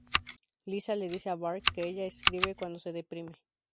Lisa le dice a Bart que ella escribe cuando se deprime.